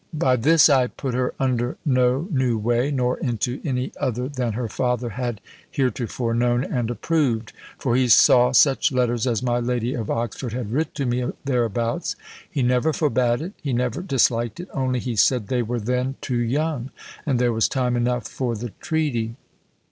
By this I put her under no new way, nor into any other than her father had heretofore known and approved; for he saw such letters as my Lady of Oxford had writ to me thereabouts; he never forbad it; he never disliked it; only he said they were then too young, and there was time enough for the treaty.